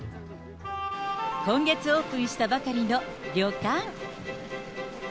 今月オープンしたばかりの旅館。